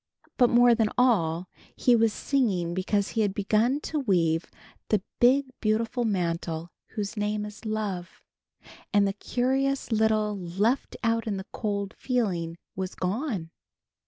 But more than all he was singing because he had begun to weave the big beautiful mantle whose name is Love, and the curious little left out in the cold feeling was gone.